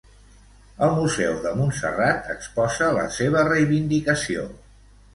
El Museu de Montserrat exposa la seva reivindicació.